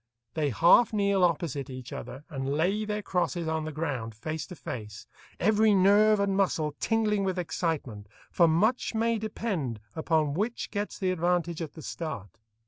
They half kneel opposite each other, and lay their crosses on the ground, face to face, every nerve and muscle tingling with excitement, for much may depend upon which gets the advantage at the start.